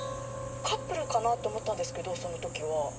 カップルかなと思ったんですけどそのときは。